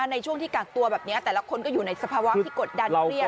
ในช่วงที่กักตัวแบบนี้แต่ละคนก็อยู่ในสภาวะที่กดดันเครียด